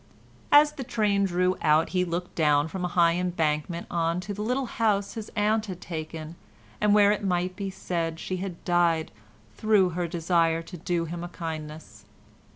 As the train drew out he looked down from a high embankment on to the little house his aunt had taken, and where it might be said she had died through her desire to do him a kindness.